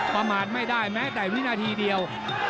ประมาณไม่ได้แม้แต่วินาทีเดียว